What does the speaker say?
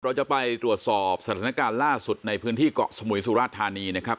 เราจะไปตรวจสอบสถานการณ์ล่าสุดในพื้นที่เกาะสมุยสุราชธานีนะครับ